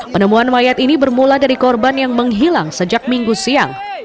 penemuan mayat ini bermula dari korban yang menghilang sejak minggu siang